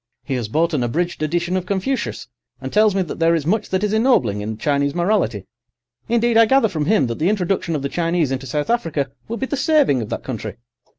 He has bought an abridged edition of Confucius, and tells me that there is much that is ennobling in Chinese morality. Indeed, I gather from him that the introduction of the Chinese into South Africa will be the saving of that country.